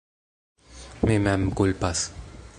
Mi mem kulpas.